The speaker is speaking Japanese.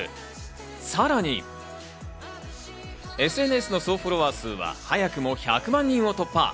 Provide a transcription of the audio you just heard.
さらにＳＮＳの総フォロワー数は早くも１００万人を突破。